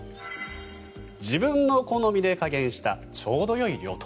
自分の好みで加減したちょうどよい量と。